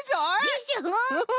でしょ？